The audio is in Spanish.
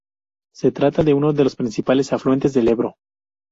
Se trata de uno de los principales afluentes del Ebro.